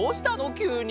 きゅうに。